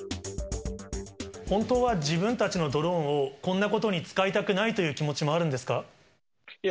本当は自分たちのドローンをこんなことに使いたくないという気持ちもあるんですか？